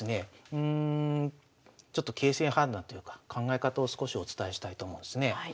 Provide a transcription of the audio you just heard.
うんちょっと形勢判断というか考え方を少しお伝えしたいと思うんですね。